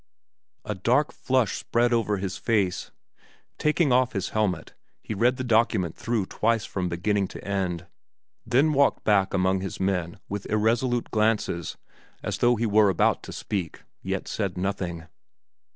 A dark flush spread over his face; taking off his helmet he read the document through twice from beginning to end, then walked back among his men with irresolute glances as though he were about to speak, yet said nothing.